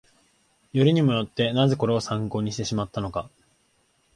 よりにもよって、なぜこれを参考にしてしまったのか